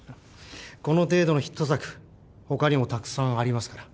この程度のヒット作他にもたくさんありますから。